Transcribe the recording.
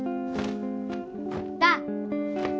「だ」